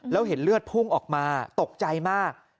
แล้วเห็นเลือดพุ่งออกมาตกใจมาก